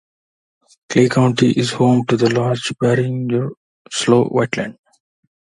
Clay County is home to the large Barringer Slough wetland.